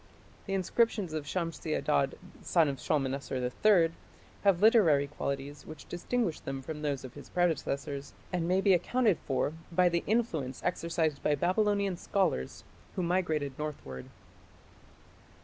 The inscriptions of Shamshi Adad, son of Shalmaneser III, have literary qualities which distinguish them from those of his predecessors, and may be accounted for by the influence exercised by Babylonian scholars who migrated northward.